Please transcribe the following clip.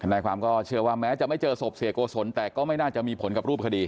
นายความก็เชื่อว่าแม้จะไม่เจอศพเสียโกศลแต่ก็ไม่น่าจะมีผลกับรูปคดี